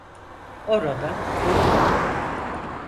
Orada burada.